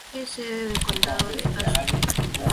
Es sede del condado de Ashe.